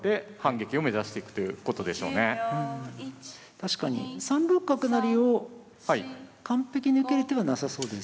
確かに３六角成を完璧に受ける手はなさそうです。